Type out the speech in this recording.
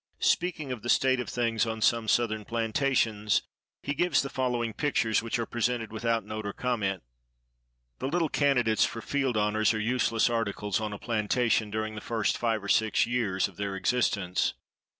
Speaking of the state of things on some Southern plantations, he gives the following pictures, which are presented without note or comment: The little candidates for "field honors" are useless articles on a plantation during the first five or six years of their existence.